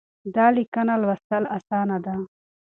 دا ليکنه لوستل اسانه ده.